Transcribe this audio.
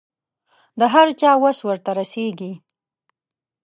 د هر چا وس ورته رسېږي.